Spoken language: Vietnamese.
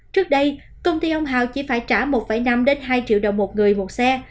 trước đây công ty ông hào chỉ phải trả một năm hai triệu đồng một người một xe